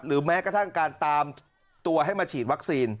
แม้กระทั่งการตามตัวให้มาฉีดวัคซีน